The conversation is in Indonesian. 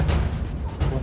bupin dan jagur dipa